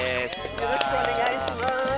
よろしくお願いします。